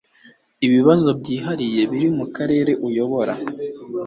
ibibazo byihariye biri mu Karere uyobora